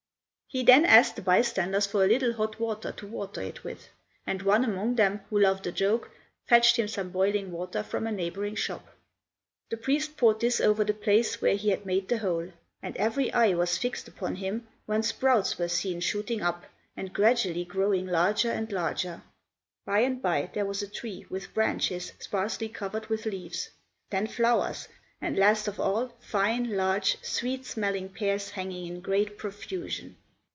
He then asked the bystanders for a little hot water to water it with, and one among them who loved a joke fetched him some boiling water from a neighbouring shop. The priest poured this over the place where he had made the hole, and every eye was fixed upon him when sprouts were seen shooting up, and gradually growing larger and larger. By and by, there was a tree with branches sparsely covered with leaves; then flowers, and last of all fine, large, sweet smelling pears hanging in great profusion.